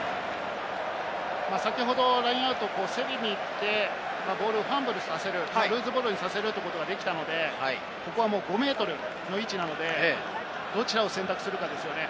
先ほどラインアウト、攻めに行って、ボールをファンブルさせる、ルーズボールにさせるということができたので、ここは５ｍの位置なので、どちらを選択するかですね。